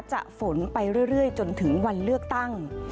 ฝนไปเรื่อยจนถึงวันเลือกตั้ง